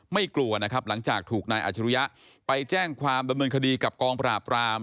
กลัวนะครับหลังจากถูกนายอาจรุยะไปแจ้งความดำเนินคดีกับกองปราบราม